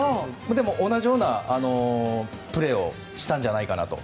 でも、同じようなプレーをしたんじゃないかと。